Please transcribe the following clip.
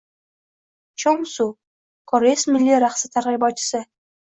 Chonsu – koreys milliy raqsi targ‘ibotchisi